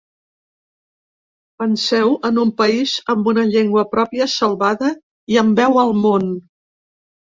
Penseu en un país amb una llengua pròpia salvada i amb veu al món.